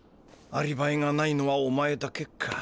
アリバイがないのはお前だけか。